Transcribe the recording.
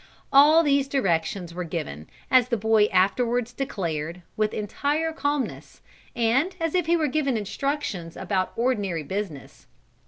All these directions were given, as the boy afterwards declared, with entire calmness, and as if he were giving instructions about ordinary business.